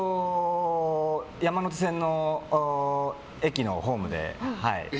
山手線の駅のホームで。